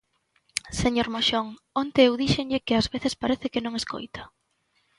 Señor Moxón, onte eu díxenlle que ás veces parece que non escoita.